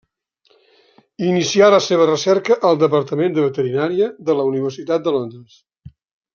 Inicià la seva recerca al departament de veterinària de la Universitat de Londres.